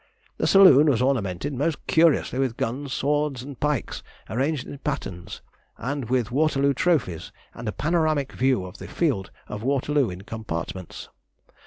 The saloon was ornamented most curiously with guns, swords, and pikes, arranged in patterns, and with Waterloo trophies, and a panoramic view of the field of Waterloo in compartments.